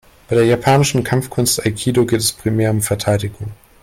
Bei der japanischen Kampfkunst Aikido geht es primär um Verteidigung.